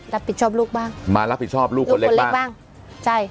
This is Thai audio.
รับผิดชอบลูกบ้างมารับผิดชอบลูกคนเล็กคนเล็กบ้างใช่